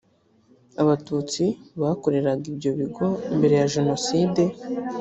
abatutsi bakoreraga ibyo bigo mbere ya jenoside